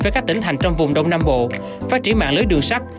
với các tỉnh thành trong vùng đông nam bộ phát triển mạng lưới đường sắt